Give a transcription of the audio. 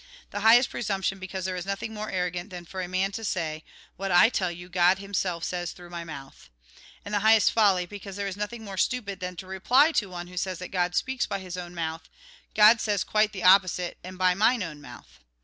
The highest presumption, because there is nothing more arrogant than for a man to say, " What I tell you, God Him self says through my mouth." And the highest folly, because there is nothing more stupid than to reply to one who says that God speaks by his mouth, "God says quite the opposite, and by mine own mouth."